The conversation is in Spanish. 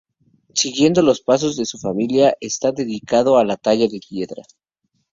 Siguiendo los pasos de su familia está dedicado a la talla de piedra.